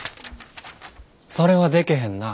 それはでけへんな。